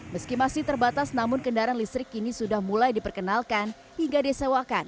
meski masih terbatas namun kendaraan listrik kini sudah mulai diperkenalkan hingga disewakan